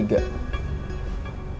kedekatan ricky dan elsa